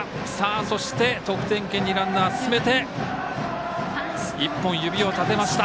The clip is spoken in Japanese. そして、得点圏にランナー進めて１本指を立てました。